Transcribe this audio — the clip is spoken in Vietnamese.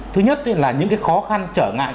thứ nhất là những cái khó khăn trở ngại